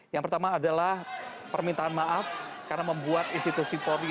yang pertama adalah permintaan maaf karena membuat institusi polri